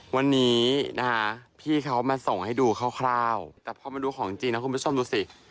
วันนี้นะคะพี่เขามาส่งให้ดูคร่าวแต่พอมาดูของจริงนะคุณผู้ชมดูสิ